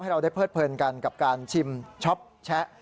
เราได้เพิดเพลินกันกับการชิมช็อปแชะ